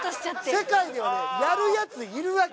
世界ではねやるヤツいるわけ！